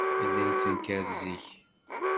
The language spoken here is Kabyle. Yella yettenkar zik.